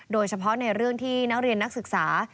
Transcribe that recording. โดยเฉพาะในเรื่องที่นักเรียนนักศึกษา